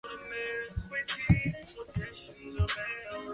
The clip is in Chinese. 战局迅速向不利于南方的方向发展。